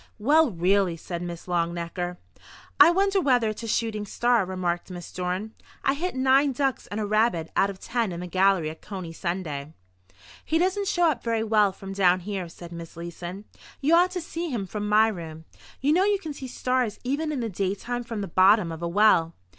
"Well, really!" said Miss Longnecker. "I wonder whether it's a shooting star," remarked Miss Dorn. "I hit nine ducks and a rabbit out of ten in the gallery at Coney Sunday." "He doesn't show up very well from down here," said Miss Leeson. "You ought to see him from my room. You know you can see stars even in the daytime from the bottom of a well.